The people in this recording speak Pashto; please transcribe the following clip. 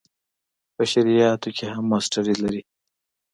په شرعیاتو کې هم ماسټري لري.